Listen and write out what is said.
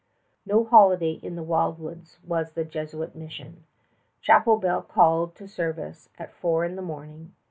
No holiday in the wildwoods was the Jesuit mission. Chapel bell called to service at four in the morning.